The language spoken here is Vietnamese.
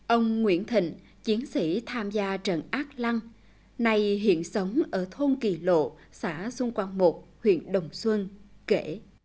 ông nguyễn thịnh chiến sĩ tham gia trận ác lăng này hiện sống ở thôn kỳ lộ xã xuân quang một huyện đồng xuân kể